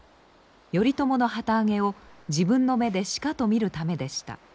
頼朝の旗揚げを自分の目でしかと見るためでした。